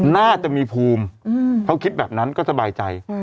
น่าจะมีภูมิเขาคิดแบบนั้นก็สบายใจ